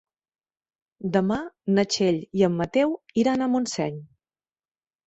Demà na Txell i en Mateu iran a Montseny.